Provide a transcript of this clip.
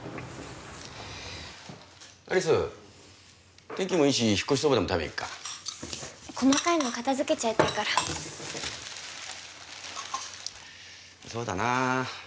有栖天気もいいし引っ越しそばでも食べに行くか細かいの片付けちゃいたいからそうだな